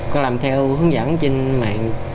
con làm theo hướng dẫn trên mạng